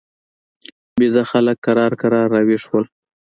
ویده خلک کرار کرار را ویښ شول.